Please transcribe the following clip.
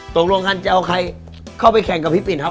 ตกลงกันจะเอาใครเข้าไปแข่งกับพี่ปิ่นครับ